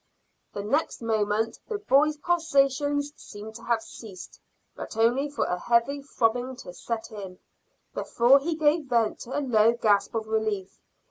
The next moment the boy's pulsations seemed to have ceased, but only for a heavy throbbing to set in, before he gave vent to a low gasp of relief.